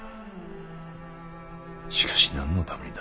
しかし何のためにだ。